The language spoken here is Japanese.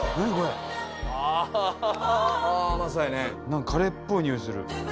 なんかカレーっぽいにおいする。